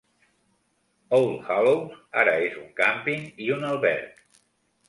All Hallows ara és un càmping i un alberg.